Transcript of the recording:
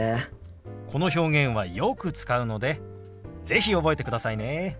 この表現はよく使うので是非覚えてくださいね。